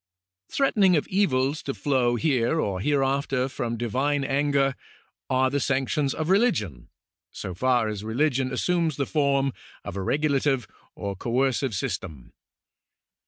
Threaten ings of evils to flow here or hereafter from divine anger are the sanctions of religion, so far as religion assumes the form of a regulative or coercive system.